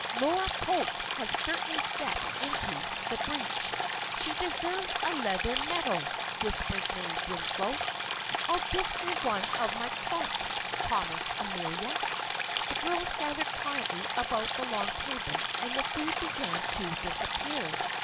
Laura Polk had certainly stepped into the breach. "She deserves a leather medal," whispered May Winslow. "I'll give her one of my clocks," promised Amelia. The girls gathered quietly about the long table and the food began to disappear.